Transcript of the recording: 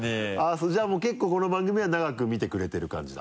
そうじゃあもう結構この番組は長く見てくれてる感じだ。